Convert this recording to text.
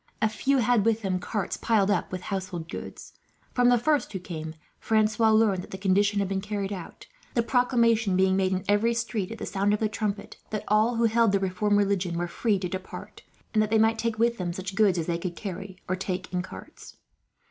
A few had with them carts, piled up with household goods. From the first who came, Francois learned that the conditions had been carried out; the proclamation being made in every street, at the sound of the trumpet, that all who held the reformed religion were free to depart, and that they might take with them such goods as they could carry, or take in carts.